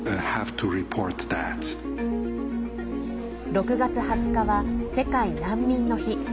６月２０日は世界難民の日。